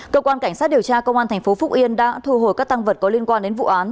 cơ quan cảnh sát điều tra công an thành phố phúc yên đã thu hồi các tăng vật có liên quan đến vụ án